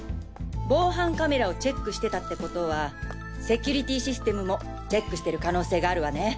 防犯カメラをチェックしてたってことはセキュリティシステムもチェックしてる可能性があるわね。